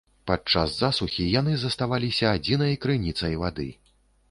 Падчас засухі яны заставаліся адзінай крыніцай вады.